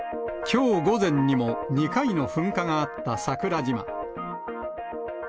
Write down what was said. きょう午前にも２回の噴火があった桜島。